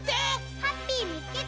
ハッピーみつけた！